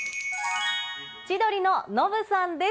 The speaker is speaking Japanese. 千鳥のノブさんです。